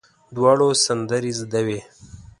دواړو سندرې زده وې.